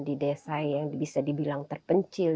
di desa yang bisa dibilang terpencil